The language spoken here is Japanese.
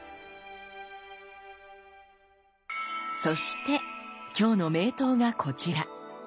そしてきょうの名刀がこちら。